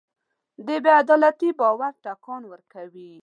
بېعدالتي د باور ټکان ورکوي.